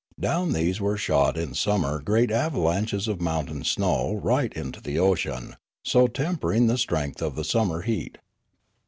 Down these were shot in summer great avalanches of mountain snow right into the ocean, so tempering the strength of the sum mer heat.